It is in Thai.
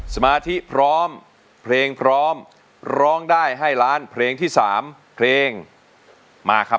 สมาธิพร้อมเพลงพร้อมร้องได้ให้ล้านเพลงที่๓เพลงมาครับ